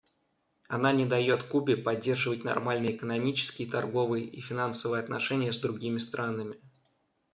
Она не дает Кубе поддерживать нормальные экономические, торговые и финансовые отношения с другими странами.